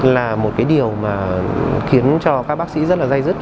là một cái điều mà khiến cho các bác sĩ rất là dây dứt